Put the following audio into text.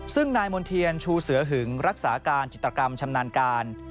ซึ่งนายมณ์เทียนชูเสือหึงรักษาการจิตกรรมชำนาญการ